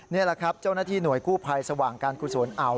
นี่แหละครับเจ้าหน้าที่หน่วยกู้ภัยสว่างการกุศลอ่าว